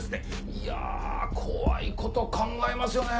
いや怖いこと考えますよね。